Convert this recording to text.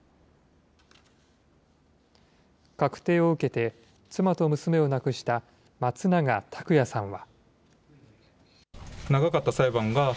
確定を受けて、妻と娘を亡くした松永拓也さんは。